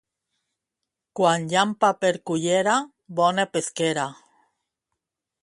Quan llampa per Cullera, bona pesquera.